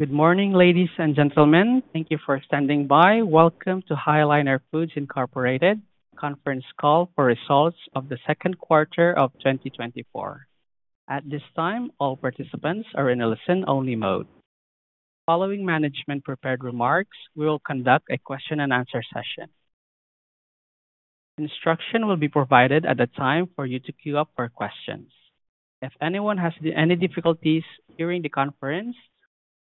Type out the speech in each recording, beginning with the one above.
Good morning, ladies and gentlemen. Thank you for standing by. Welcome to High Liner Foods Incorporated Conference Call for results of the second quarter of 2024. At this time, all participants are in a listen-only mode. Following management prepared remarks, we will conduct a question-and-answer session. Instruction will be provided at the time for you to queue up for questions. If anyone has any difficulties during the conference,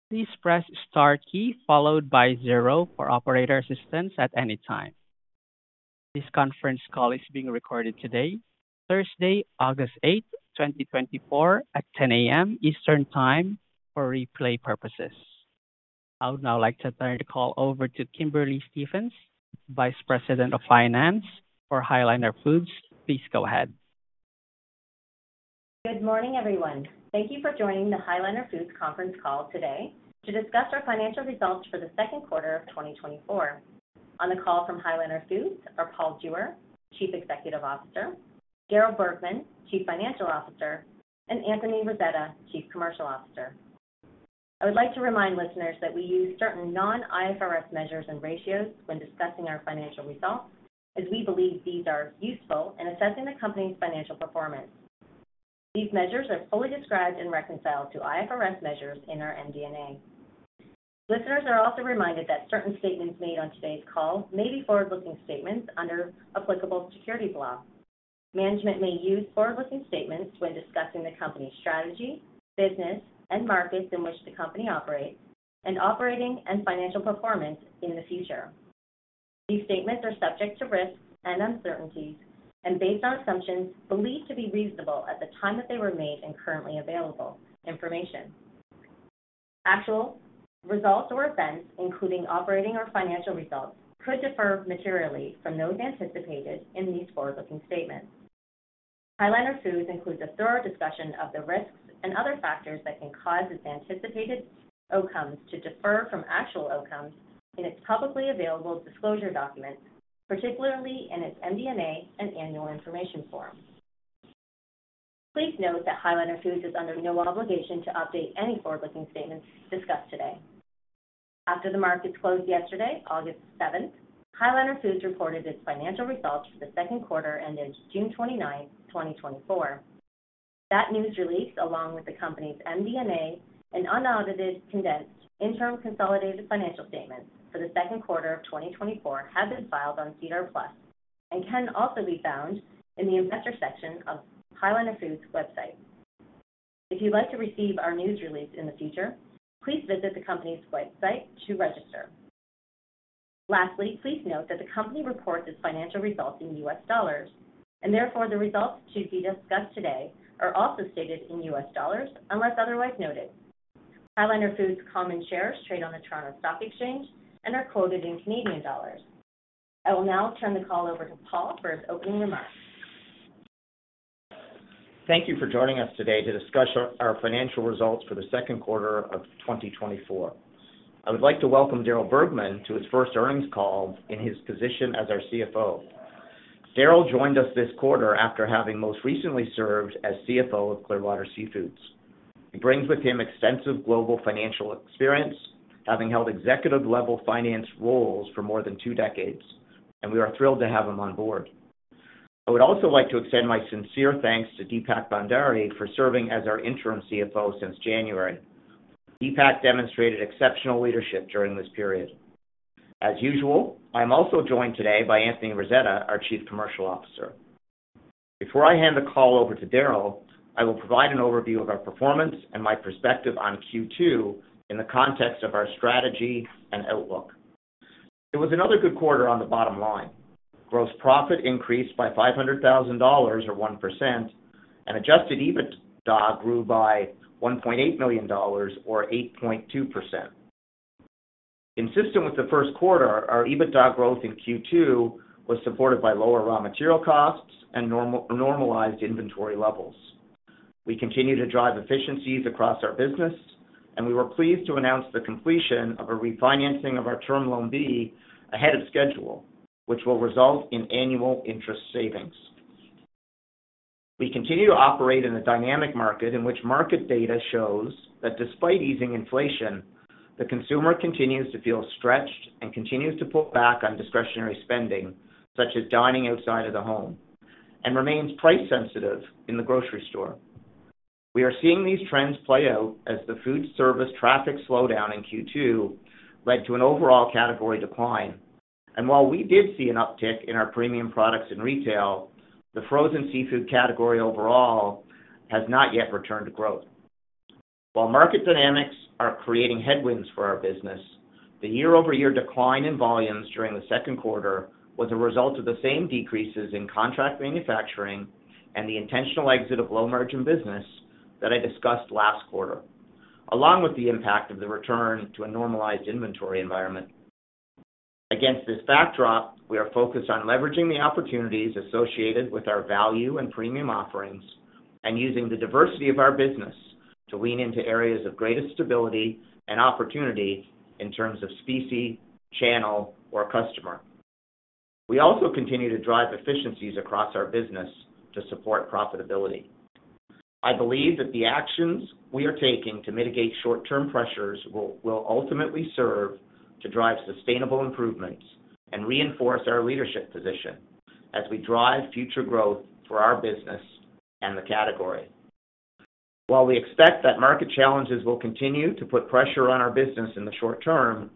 please press star key followed by zero for operator assistance at any time. This conference call is being recorded today, Thursday, August 8, 2024, at 10:00 A.M. Eastern Time for replay purposes. I would now like to turn the call over to Kimberly Stephens, Vice President of Finance for High Liner Foods. Please go ahead. Good morning, everyone. Thank you for joining the High Liner Foods conference call today to discuss our financial results for the second quarter of 2024. On the call from High Liner Foods are Paul Jewer, Chief Executive Officer, Darryl Bergman, Chief Financial Officer, and Anthony Rasetta, Chief Commercial Officer. I would like to remind listeners that we use certain non-IFRS measures and ratios when discussing our financial results, as we believe these are useful in assessing the company's financial performance. These measures are fully described and reconciled to IFRS measures in our MD&A. Listeners are also reminded that certain statements made on today's call may be forward-looking statements under applicable securities law. Management may use forward-looking statements when discussing the company's strategy, business, and markets in which the company operates, and operating and financial performance in the future. These statements are subject to risks and uncertainties and based on assumptions believed to be reasonable at the time that they were made in currently available information. Actual results or events, including operating or financial results, could differ materially from those anticipated in these forward-looking statements. High Liner Foods includes a thorough discussion of the risks and other factors that can cause its anticipated outcomes to differ from actual outcomes in its publicly available disclosure documents, particularly in its MD&A and annual information form. Please note that High Liner Foods is under no obligation to update any forward-looking statements discussed today. After the markets closed yesterday, August 7, High Liner Foods reported its financial results for the second quarter ended June 29, 2024. That news release, along with the company's MD&A and unaudited, condensed, interim consolidated financial statements for the second quarter of 2024, have been filed on SEDAR+ and can also be found in the investor section of High Liner Foods' website. If you'd like to receive our news release in the future, please visit the company's website to register. Lastly, please note that the company reports its financial results in US dollars, and therefore, the results to be discussed today are also stated in US dollars, unless otherwise noted. High Liner Foods common shares trade on the Toronto Stock Exchange and are quoted in Canadian dollars. I will now turn the call over to Paul for his opening remarks. Thank you for joining us today to discuss our financial results for the second quarter of 2024. I would like to welcome Darryl Bergman to his first earnings call in his position as our CFO. Darryl joined us this quarter after having most recently served as CFO of Clearwater Seafoods. He brings with him extensive global financial experience, having held executive-level finance roles for more than two decades, and we are thrilled to have him on board. I would also like to extend my sincere thanks to Deepak Bhandari for serving as our interim CFO since January. Deepak demonstrated exceptional leadership during this period. As usual, I'm also joined today by Anthony Rasetta, our Chief Commercial Officer. Before I hand the call over to Darryl, I will provide an overview of our performance and my perspective on Q2 in the context of our strategy and outlook. It was another good quarter on the bottom line. Gross profit increased by $500,000, or 1%, and adjusted EBITDA grew by $1.8 million or 8.2%. Consistent with the first quarter, our EBITDA growth in Q2 was supported by lower raw material costs and normalized inventory levels. We continue to drive efficiencies across our business, and we were pleased to announce the completion of a refinancing of our Term Loan B ahead of schedule, which will result in annual interest savings. We continue to operate in a dynamic market in which market data shows that despite easing inflation, the consumer continues to feel stretched and continues to pull back on discretionary spending, such as dining outside of the home, and remains price sensitive in the grocery store. We are seeing these trends play out as the food service traffic slowdown in Q2 led to an overall category decline. While we did see an uptick in our premium products in retail, the frozen seafood category overall has not yet returned to growth. While market dynamics are creating headwinds for our business, the year-over-year decline in volumes during the second quarter was a result of the same decreases in contract manufacturing and the intentional exit of low-margin business that I discussed last quarter, along with the impact of the return to a normalized inventory environment. Against this backdrop, we are focused on leveraging the opportunities associated with our value and premium offerings and using the diversity of our business to lean into areas of greatest stability and opportunity in terms of species, channel, or customer. We also continue to drive efficiencies across our business to support profitability. I believe that the actions we are taking to mitigate short-term pressures will ultimately serve to drive sustainable improvements and reinforce our leadership position as we drive future growth for our business and the category. While we expect that market challenges will continue to put pressure on our business in the short term,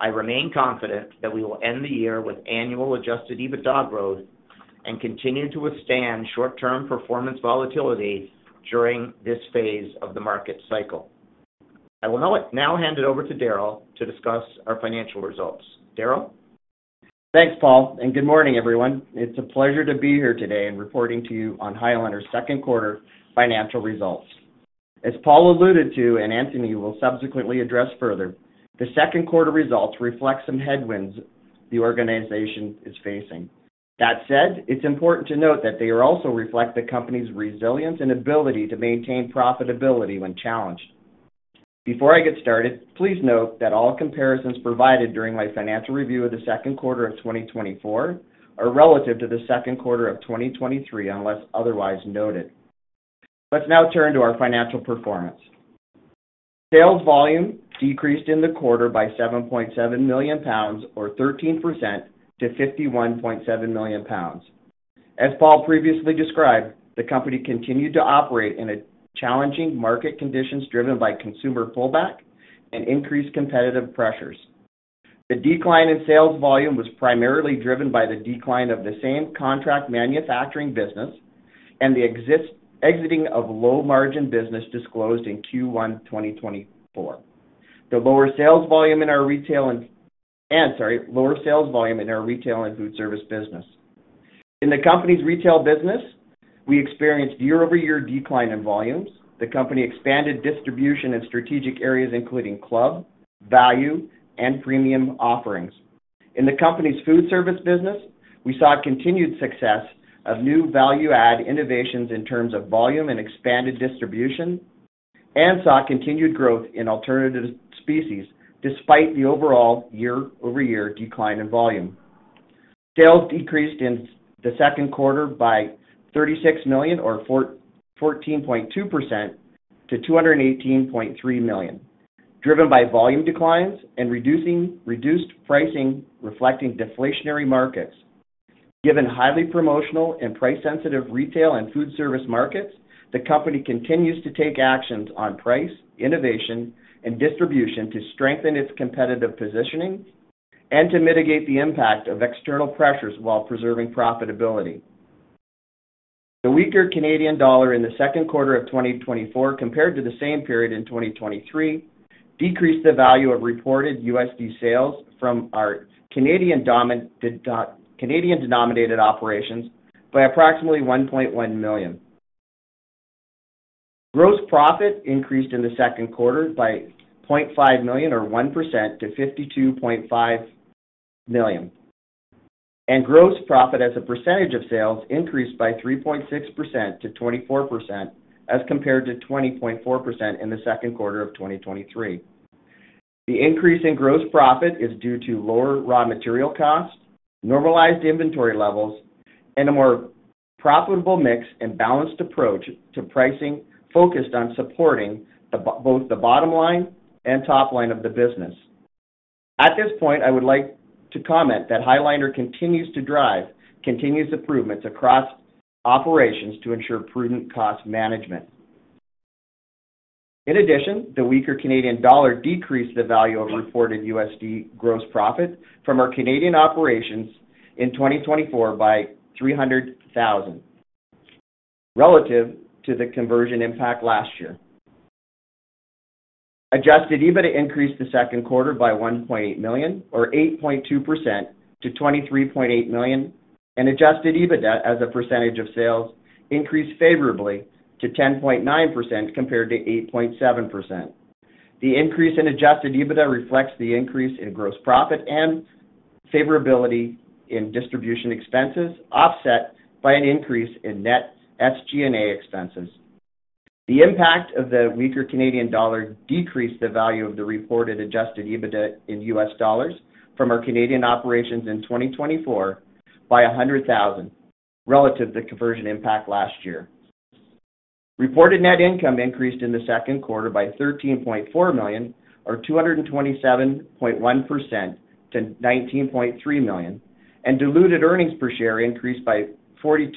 I remain confident that we will end the year with annual adjusted EBITDA growth and continue to withstand short-term performance volatility during this phase of the market cycle. I will now hand it over to Darryl to discuss our financial results. Darryl? Thanks, Paul, and good morning, everyone. It's a pleasure to be here today and reporting to you on High Liner's second quarter financial results. As Paul alluded to, and Anthony will subsequently address further, the second quarter results reflect some headwinds the organization is facing. That said, it's important to note that they also reflect the company's resilience and ability to maintain profitability when challenged. Before I get started, please note that all comparisons provided during my financial review of the second quarter of 2024 are relative to the second quarter of 2023, unless otherwise noted. Let's now turn to our financial performance. Sales volume decreased in the quarter by 7.7 million lbs, or 13% to 51.7 million lbs. As Paul previously described, the company continued to operate in a challenging market conditions, driven by consumer pullback and increased competitive pressures. The decline in sales volume was primarily driven by the decline of the same contract manufacturing business and the exiting of low-margin business disclosed in Q1 2024. The lower sales volume in our retail and food service business. In the company's retail business, we experienced year-over-year decline in volumes. The company expanded distribution in strategic areas including club, value, and premium offerings. In the company's food service business, we saw continued success of new value-add innovations in terms of volume and expanded distribution, and saw continued growth in alternative species, despite the overall year-over-year decline in volume. Sales decreased in the second quarter by $36 million or 14.2% to $218.3 million, driven by volume declines and reduced pricing, reflecting deflationary markets. Given highly promotional and price-sensitive retail and food service markets, the company continues to take actions on price, innovation, and distribution to strengthen its competitive positioning and to mitigate the impact of external pressures while preserving profitability. The weaker Canadian dollar in the second quarter of 2024, compared to the same period in 2023, decreased the value of reported USD sales from our Canadian-denominated operations by approximately $1.1 million. Gross profit increased in the second quarter by $0.5 million, or 1% to $52.5 million. Gross profit as a percentage of sales increased by 3.6% to 24%, as compared to 20.4% in the second quarter of 2023. The increase in gross profit is due to lower raw material costs, normalized inventory levels, and a more profitable mix and balanced approach to pricing, focused on supporting both the bottom line and top line of the business. At this point, I would like to comment that High Liner continues to drive continuous improvements across operations to ensure prudent cost management. In addition, the weaker Canadian dollar decreased the value of reported USD gross profit from our Canadian operations in 2024 by $300,000, relative to the conversion impact last year. Adjusted EBITDA increased the second quarter by $1.8 million, or 8.2% to $23.8 million, and adjusted EBITDA as a percentage of sales increased favorably to 10.9%, compared to 8.7%. The increase in adjusted EBITDA reflects the increase in gross profit and favorability in distribution expenses, offset by an increase in net SG&A expenses. The impact of the weaker Canadian dollar decreased the value of the reported adjusted EBITDA in US dollars from our Canadian operations in 2024 by $100,000, relative to the conversion impact last year. Reported net income increased in the second quarter by $13.4 million, or 227.1% to $19.3 million, and diluted earnings per share increased by $0.42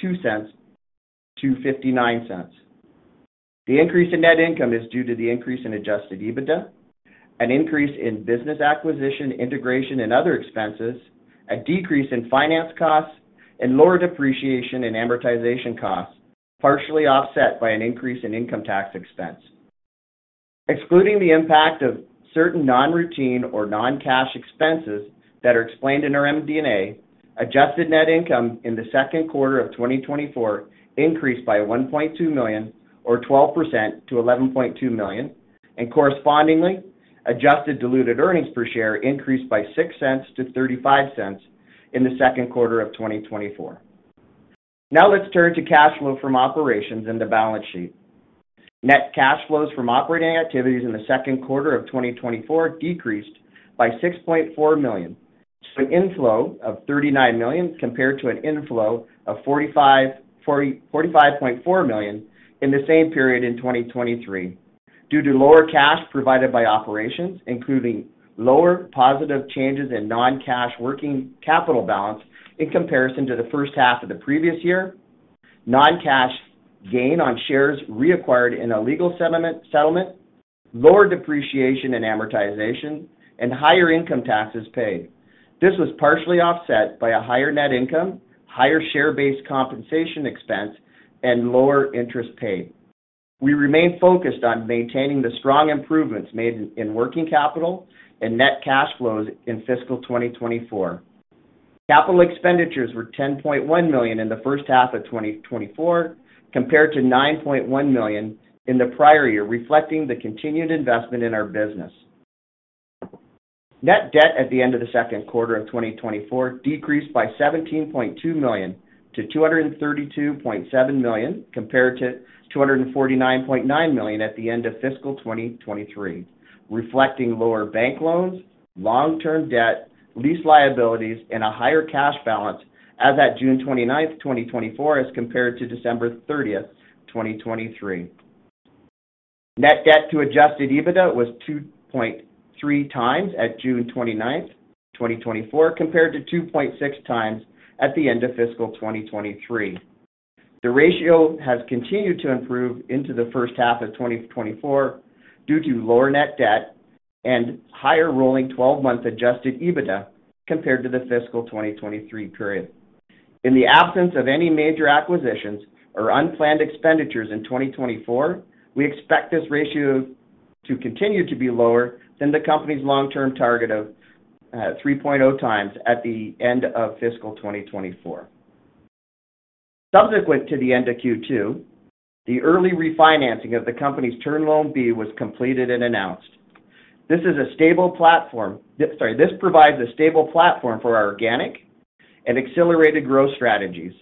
to $0.59. The increase in net income is due to the increase in adjusted EBITDA, an increase in business acquisition, integration and other expenses, a decrease in finance costs, and lower depreciation and amortization costs, partially offset by an increase in income tax expense. Excluding the impact of certain non-routine or non-cash expenses that are explained in our MD&A, adjusted net income in the second quarter of 2024 increased by $1.2 million, or 12% to $11.2 million, and correspondingly, adjusted diluted earnings per share increased by $0.06 to $0.35 in the second quarter of 2024. Now let's turn to cash flow from operations and the balance sheet. Net cash flows from operating activities in the second quarter of 2024 decreased by $6.4 million, to an inflow of $39 million, compared to an inflow of $45.4 million in the same period in 2023. Due to lower cash provided by operations, including lower positive changes in non-cash working capital balance in comparison to the first half of the previous year, non-cash gain on shares reacquired in a legal settlement, lower depreciation and amortization, and higher income taxes paid. This was partially offset by a higher net income, higher share-based compensation expense, and lower interest paid. We remain focused on maintaining the strong improvements made in working capital and net cash flows in fiscal 2024. Capital expenditures were $10.1 million in the first half of 2024, compared to $9.1 million in the prior year, reflecting the continued investment in our business. Net debt at the end of the second quarter of 2024 decreased by $17.2 million to $232.7 million, compared to $249.9 million at the end of fiscal 2023, reflecting lower bank loans, long-term debt, lease liabilities, and a higher cash balance as at June 29, 2024, as compared to December 30, 2023. Net debt to adjusted EBITDA was 2.3x at June 29, 2024, compared to 2.6x at the end of fiscal 2023. The ratio has continued to improve into the first half of 2024 due to lower net debt and higher rolling 12-month adjusted EBITDA compared to the fiscal 2023 period. In the absence of any major acquisitions or unplanned expenditures in 2024, we expect this ratio to continue to be lower than the company's long-term target of 3.0x at the end of fiscal 2024. Subsequent to the end of Q2, the early refinancing of the company's Term Loan B was completed and announced. This is a stable platform. Sorry. This provides a stable platform for our organic and accelerated growth strategies.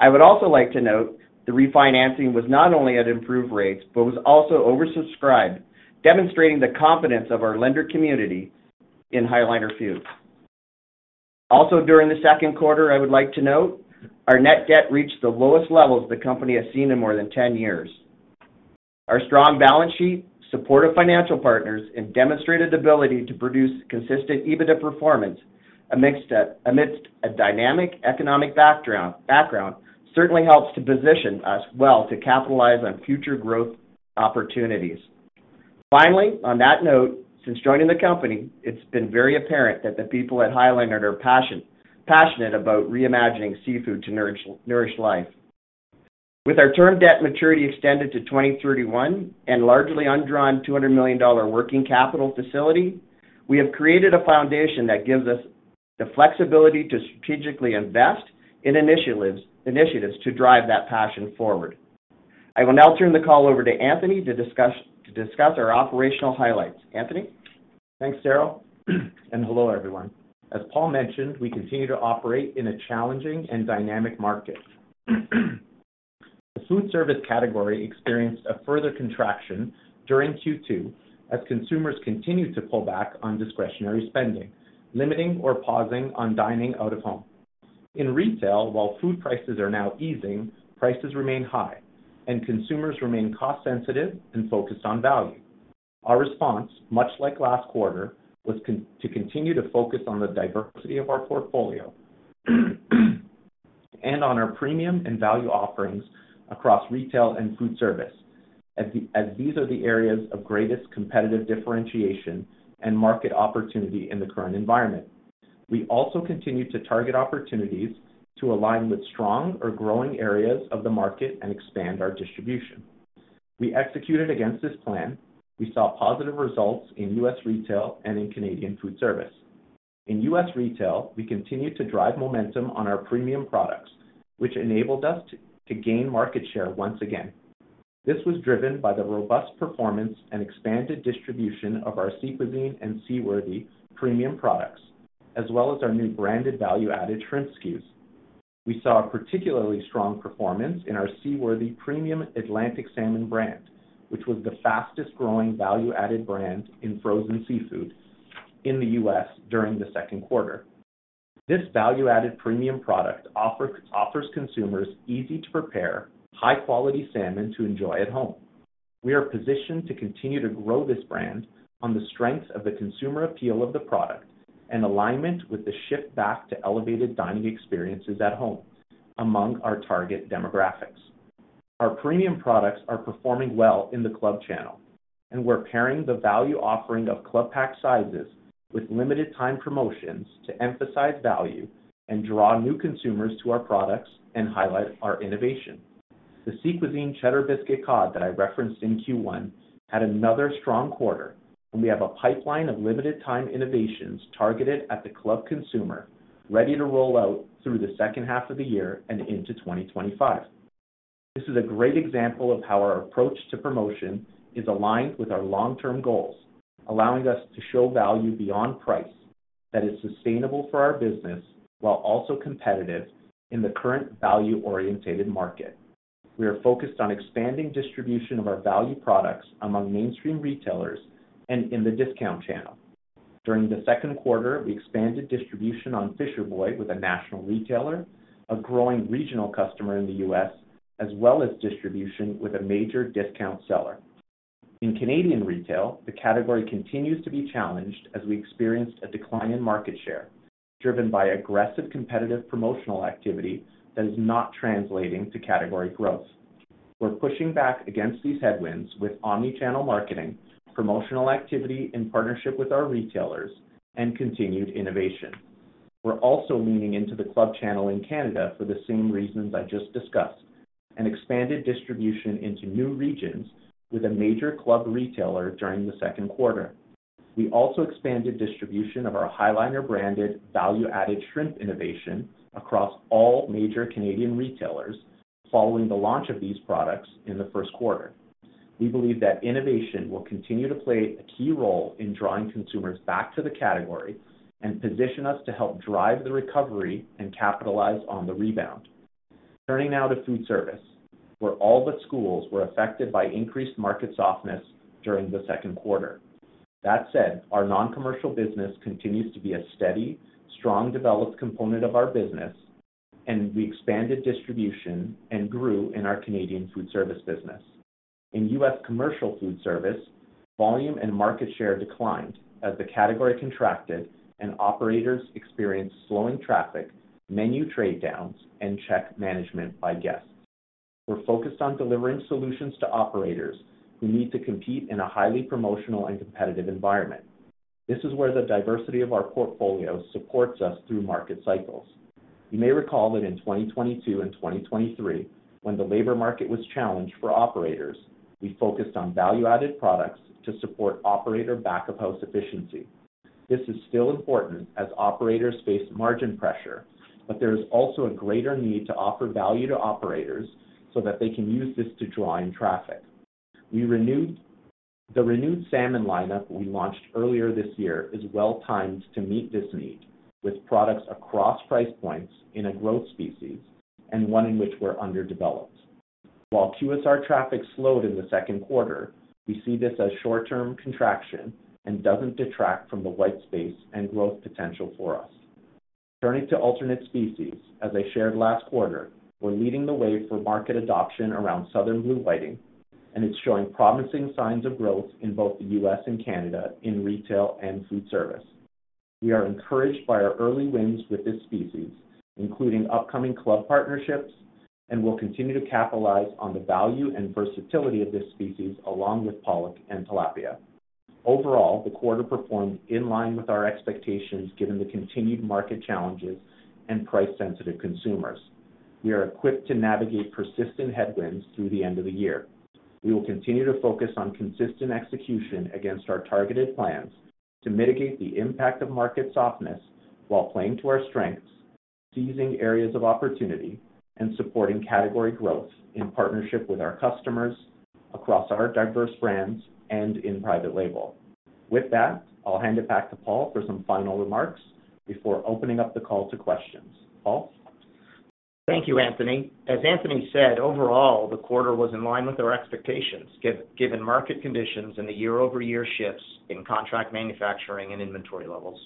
I would also like to note the refinancing was not only at improved rates, but was also oversubscribed, demonstrating the confidence of our lender community in High Liner Foods. Also, during the second quarter, I would like to note, our net debt reached the lowest levels the company has seen in more than 10 years. Our strong balance sheet, supportive financial partners, and demonstrated ability to produce consistent EBITDA performance amidst a dynamic economic background certainly helps to position us well to capitalize on future growth opportunities. Finally, on that note, since joining the company, it's been very apparent that the people at High Liner are passionate about reimagining seafood to nourish life. With our term debt maturity extended to 2031 and largely undrawn $200 million working capital facility, we have created a foundation that gives us the flexibility to strategically invest in initiatives to drive that passion forward. I will now turn the call over to Anthony to discuss our operational highlights. Anthony? Thanks, Darryl, and hello, everyone. As Paul mentioned, we continue to operate in a challenging and dynamic market. The food service category experienced a further contraction during Q2 as consumers continued to pull back on discretionary spending, limiting or pausing on dining out of home. In retail, while food prices are now easing, prices remain high, and consumers remain cost sensitive and focused on value. Our response, much like last quarter, was to continue to focus on the diversity of our portfolio, and on our premium and value offerings across retail and food service, as these are the areas of greatest competitive differentiation and market opportunity in the current environment. We also continue to target opportunities to align with strong or growing areas of the market and expand our distribution. We executed against this plan. We saw positive results in U.S. retail and in Canadian food service. In U.S. retail, we continued to drive momentum on our premium products, which enabled us to gain market share once again. This was driven by the robust performance and expanded distribution of our Sea Cuisine and C. Wirthy premium products, as well as our new branded value-added shrimp SKUs. We saw a particularly strong performance in our C. Wirthy premium Atlantic salmon brand, which was the fastest growing value-added brand in frozen seafood in the U.S. during the second quarter. This value-added premium product offers consumers easy-to-prepare, high-quality salmon to enjoy at home. We are positioned to continue to grow this brand on the strengths of the consumer appeal of the product and alignment with the shift back to elevated dining experiences at home among our target demographics. Our premium products are performing well in the club channel, and we're pairing the value offering of club pack sizes with limited time promotions to emphasize value and draw new consumers to our products and highlight our innovation. The Sea Cuisine Cheddar Biscuit Cod that I referenced in Q1 had another strong quarter, and we have a pipeline of limited time innovations targeted at the club consumer, ready to roll out through the second half of the year and into 2025. This is a great example of how our approach to promotion is aligned with our long-term goals, allowing us to show value beyond price that is sustainable for our business, while also competitive in the current value-oriented market. We are focused on expanding distribution of our value products among mainstream retailers and in the discount channel. During the second quarter, we expanded distribution on Fisher Boy with a national retailer, a growing regional customer in the U.S., as well as distribution with a major discount seller. In Canadian retail, the category continues to be challenged as we experienced a decline in market share, driven by aggressive competitive promotional activity that is not translating to category growth. We're pushing back against these headwinds with omni-channel marketing, promotional activity in partnership with our retailers, and continued innovation. We're also leaning into the club channel in Canada for the same reasons I just discussed, and expanded distribution into new regions with a major club retailer during the second quarter. We also expanded distribution of our High Liner branded value-added shrimp innovation across all major Canadian retailers following the launch of these products in the first quarter. We believe that innovation will continue to play a key role in drawing consumers back to the category and position us to help drive the recovery and capitalize on the rebound. Turning now to food service, where all but schools were affected by increased market softness during the second quarter. That said, our non-commercial business continues to be a steady, strong, developed component of our business, and we expanded distribution and grew in our Canadian food service business. In U.S. commercial food service, volume and market share declined as the category contracted and operators experienced slowing traffic, menu trade downs, and check management by guests. We're focused on delivering solutions to operators who need to compete in a highly promotional and competitive environment. This is where the diversity of our portfolio supports us through market cycles. You may recall that in 2022 and 2023, when the labor market was challenged for operators, we focused on value-added products to support operator back-of-house efficiency. This is still important as operators face margin pressure, but there is also a greater need to offer value to operators so that they can use this to draw in traffic. The renewed salmon lineup we launched earlier this year is well timed to meet this need, with products across price points in a growth species and one in which we're underdeveloped. While QSR traffic slowed in the second quarter, we see this as short-term contraction and doesn't detract from the white space and growth potential for us. Turning to alternate species, as I shared last quarter, we're leading the way for market adoption around southern blue whiting, and it's showing promising signs of growth in both the U.S. and Canada in retail and food service. We are encouraged by our early wins with this species, including upcoming club partnerships, and will continue to capitalize on the value and versatility of this species, along with pollock and tilapia. Overall, the quarter performed in line with our expectations, given the continued market challenges and price-sensitive consumers. We are equipped to navigate persistent headwinds through the end of the year. We will continue to focus on consistent execution against our targeted plans to mitigate the impact of market softness while playing to our strengths, seizing areas of opportunity, and supporting category growth in partnership with our customers across our diverse brands and in private label. With that, I'll hand it back to Paul for some final remarks before opening up the call to questions. Paul? Thank you, Anthony. As Anthony said, overall, the quarter was in line with our expectations, given market conditions and the year-over-year shifts in contract manufacturing and inventory levels.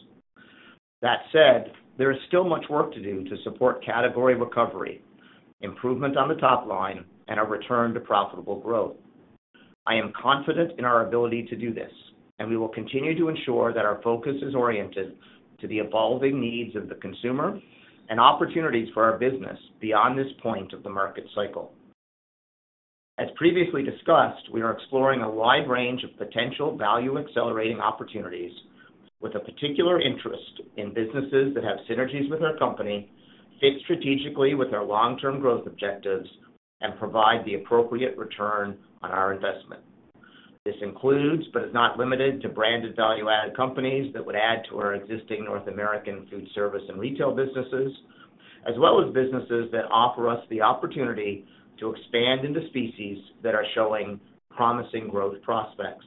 That said, there is still much work to do to support category recovery, improvement on the top line, and a return to profitable growth. I am confident in our ability to do this, and we will continue to ensure that our focus is oriented to the evolving needs of the consumer and opportunities for our business beyond this point of the market cycle. As previously discussed, we are exploring a wide range of potential value-accelerating opportunities with a particular interest in businesses that have synergies with our company, fit strategically with our long-term growth objectives, and provide the appropriate return on our investment. This includes, but is not limited to, branded value-added companies that would add to our existing North American food service and retail businesses, as well as businesses that offer us the opportunity to expand into species that are showing promising growth prospects.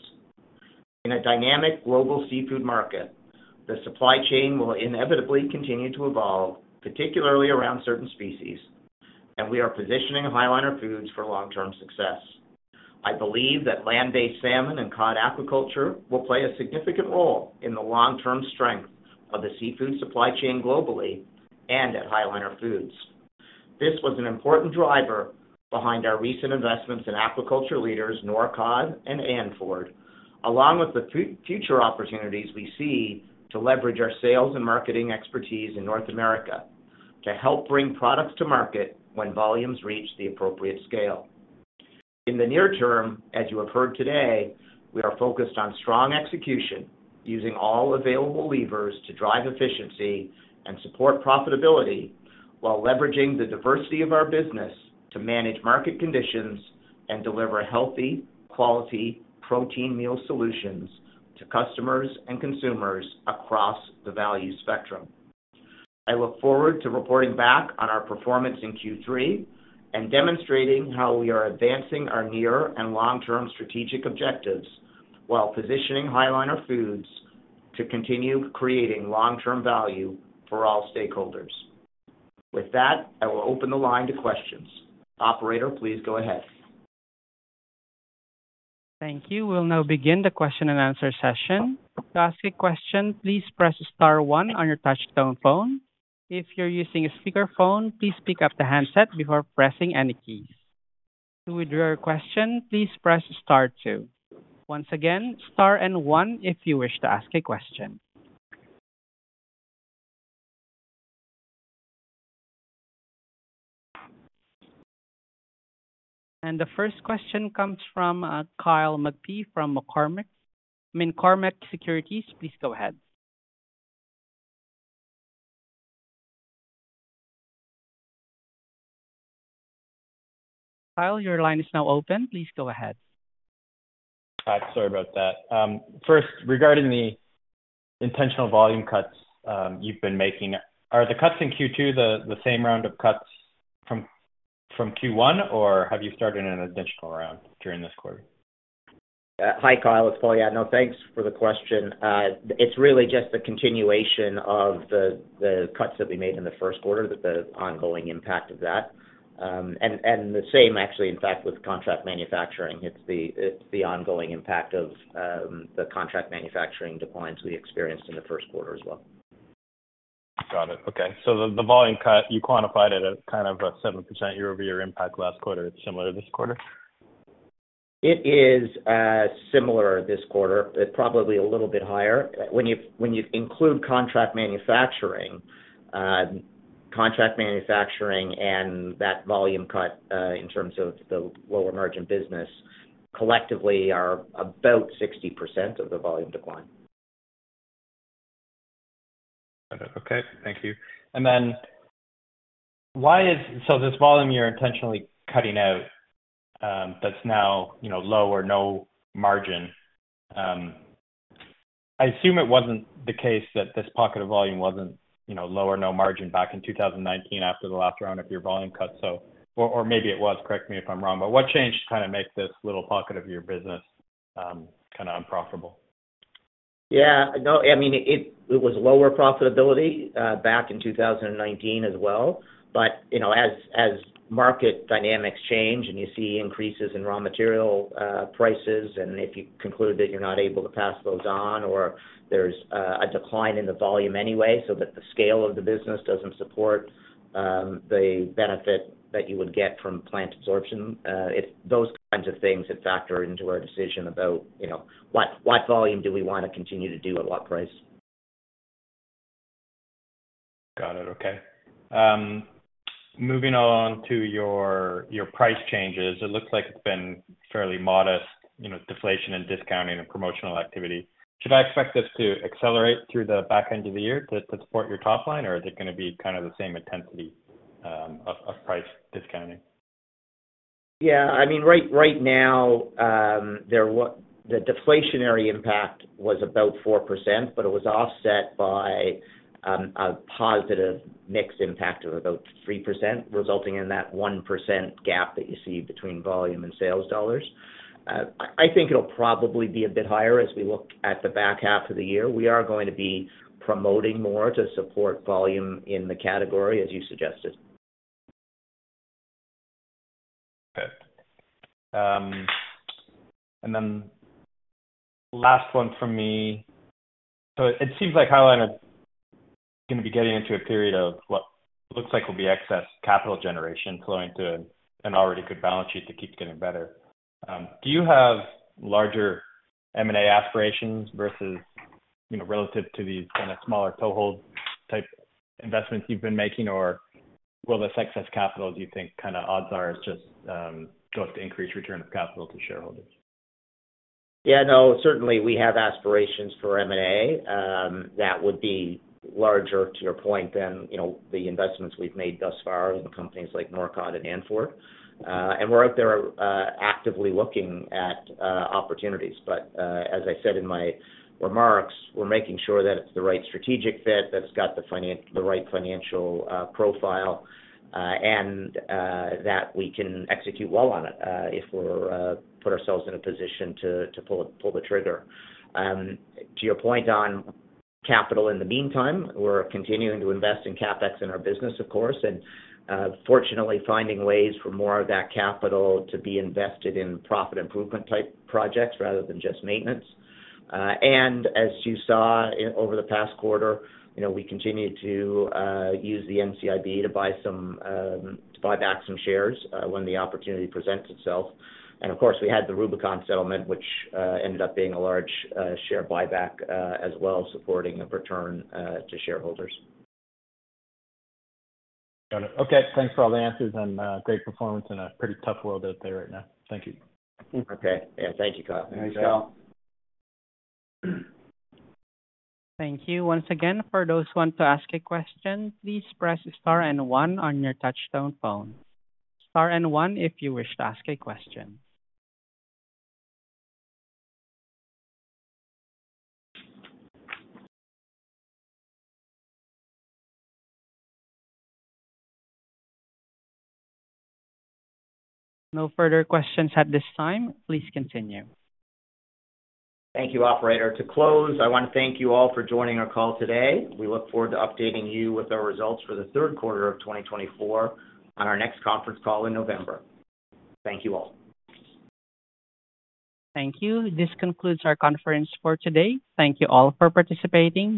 In a dynamic global seafood market, the supply chain will inevitably continue to evolve, particularly around certain species, and we are positioning High Liner Foods for long-term success. I believe that land-based salmon and cod aquaculture will play a significant role in the long-term strength of the seafood supply chain globally and at High Liner Foods. This was an important driver behind our recent investments in aquaculture leaders, Norcod and Andfjord, along with the future opportunities we see to leverage our sales and marketing expertise in North America to help bring products to market when volumes reach the appropriate scale. In the near term, as you have heard today, we are focused on strong execution, using all available levers to drive efficiency and support profitability while leveraging the diversity of our business to manage market conditions and deliver healthy, quality, protein meal solutions to customers and consumers across the value spectrum. I look forward to reporting back on our performance in Q3 and demonstrating how we are advancing our near and long-term strategic objectives, while positioning High Liner Foods to continue creating long-term value for all stakeholders. With that, I will open the line to questions. Operator, please go ahead. Thank you. We'll now begin the question and answer session. To ask a question, please press star one on your touchtone phone. If you're using a speakerphone, please pick up the handset before pressing any keys. To withdraw your question, please press star two. Once again, star and one if you wish to ask a question. And the first question comes from Kyle McPhee from McCormick, I mean, Cormark Securities. Please go ahead. Kyle, your line is now open. Please go ahead. Hi, sorry about that. First, regarding the intentional volume cuts you've been making, are the cuts in Q2 the same round of cuts from Q1, or have you started an additional round during this quarter? Hi, Kyle, it's Paul. Yeah, no, thanks for the question. It's really just a continuation of the cuts that we made in the first quarter, the ongoing impact of that. And the same actually, in fact, with contract manufacturing. It's the ongoing impact of the contract manufacturing declines we experienced in the first quarter as well. Got it. Okay. So the volume cut, you quantified it at kind of a 7% year-over-year impact last quarter. It's similar this quarter? It is similar this quarter. It's probably a little bit higher. When you include contract manufacturing, contract manufacturing and that volume cut, in terms of the lower margin business, collectively are about 60% of the volume decline. Okay, thank you. And then why is, so this volume you're intentionally cutting out, that's now, you know, low or no margin, I assume it wasn't the case that this pocket of volume wasn't, you know, low or no margin back in 2019 after the last round of your volume cuts, so, or, or maybe it was, correct me if I'm wrong, but what changed to kind of make this little pocket of your business, kind of unprofitable? Yeah, no, I mean, it was lower profitability back in 2019 as well. But, you know, as market dynamics change and you see increases in raw material prices, and if you conclude that you're not able to pass those on, or there's a decline in the volume anyway, so that the scale of the business doesn't support the benefit that you would get from plant absorption, it's those kinds of things that factor into our decision about, you know, what volume do we want to continue to do at what price? Got it. Okay. Moving on to your, your price changes, it looks like it's been fairly modest, you know, deflation and discounting and promotional activity. Should I expect this to accelerate through the back end of the year to, to support your top line? Or is it gonna be kind of the same intensity, of, of price discounting? Yeah, I mean, right, right now, the deflationary impact was about 4%, but it was offset by a positive mix impact of about 3%, resulting in that 1% gap that you see between volume and sales dollars. I think it'll probably be a bit higher as we look at the back half of the year. We are going to be promoting more to support volume in the category, as you suggested. Okay. And then last one from me. So it seems like High Liner is gonna be getting into a period of what looks like will be excess capital generation flowing to an already good balance sheet to keep getting better. Do you have larger M&A aspirations versus, you know, relative to these kind of smaller toe-hold type investments you've been making? Or will this excess capital, do you think, kind of odds are, is just go to increase return of capital to shareholders? Yeah, no, certainly we have aspirations for M&A. That would be larger, to your point, than, you know, the investments we've made thus far in companies like Norcod and Andfjord. And we're out there, actively looking at opportunities. But, as I said in my remarks, we're making sure that it's the right strategic fit, that it's got the right financial profile, and that we can execute well on it, if we're put ourselves in a position to pull the trigger. To your point on capital in the meantime, we're continuing to invest in CapEx in our business, of course, and fortunately, finding ways for more of that capital to be invested in profit improvement type projects rather than just maintenance. As you saw over the past quarter, you know, we continue to use the NCIB to buy back some shares when the opportunity presents itself. Of course, we had the Rubicon settlement, which ended up being a large share buyback as well, supporting a return to shareholders. Got it. Okay, thanks for all the answers, and great performance in a pretty tough world out there right now. Thank you. Okay. Yeah, thank you, Kyle. Thanks, Kyle. Thank you. Once again, for those who want to ask a question, please press star and one on your touchtone phone. Star and one if you wish to ask a question. No further questions at this time. Please continue. Thank you, operator. To close, I want to thank you all for joining our call today. We look forward to updating you with our results for the third quarter of 2024 on our next conference call in November. Thank you all. Thank you. This concludes our conference for today. Thank you all for participating.